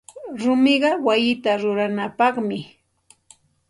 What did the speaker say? Rumiqa wayita ruranapaqmi.